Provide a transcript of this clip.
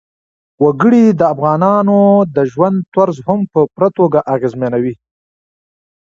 وګړي د افغانانو د ژوند طرز هم په پوره توګه اغېزمنوي.